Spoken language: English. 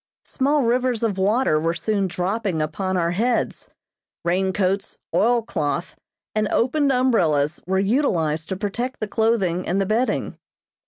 Small rivers of water were soon dropping upon our heads. Rain coats, oil cloth, and opened umbrellas were utilized to protect the clothing and the bedding.